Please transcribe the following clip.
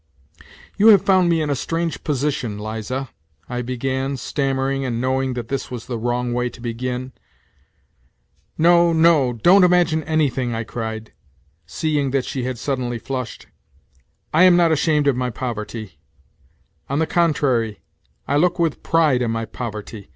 " You have found me in a strange position, Liza," I began, stammering and knowing that this was the wrong way to begin. " No, no, don't imagine anything," I cried, seeing that she had suddenly flushed. " I am not ashamed of my poverty. ... On the contrary I look with pride on my poverty.